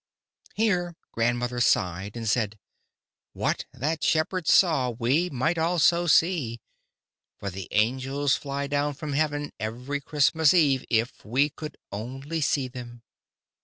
Here grandmother sighed and said: "What that shepherd saw we might also see, for the angels fly down from heaven every Christmas Eve, if we could only see them."